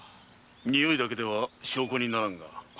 臭いだけでは証拠にならんが。